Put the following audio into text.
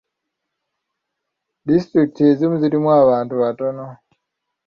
Disitulikiti ezimu zirimu abantu batono.